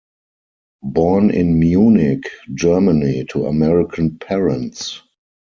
Born in Munich, Germany to American parents.